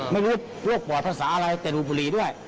ไม่รู้โรคปอดภาษาอะไรแต่ดูบุหรี่ด้วย